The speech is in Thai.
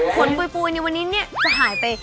ปุยในวันนี้เนี่ยจะหายไป